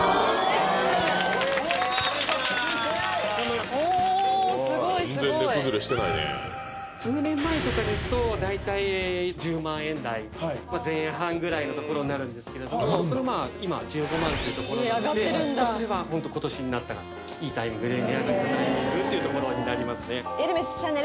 全然値崩れしてないね数年前とかですと大体１０万円台前半ぐらいのところになるんですけれどもそれまぁ今１５万というところなのでそれはホント今年になったらいいタイミングっていうところになりますね